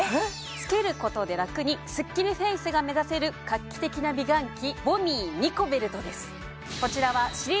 つけることでラクにスッキリフェイスが目指せる画期的な美顔器